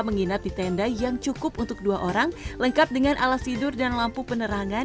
menginap di tenda yang cukup untuk dua orang lengkap dengan alas tidur dan lampu penerangan